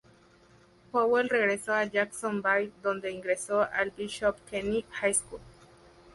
Powell regresó a Jacksonville donde ingresó al Bishop Kenny High School.